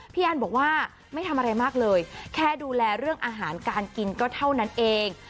อันบอกว่าไม่ทำอะไรมากเลยแค่ดูแลเรื่องอาหารการกินก็เท่านั้นเอง